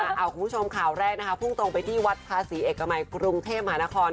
คุณผู้ชมข่าวแรกนะคะพุ่งตรงไปที่วัดภาษีเอกมัยกรุงเทพมหานคร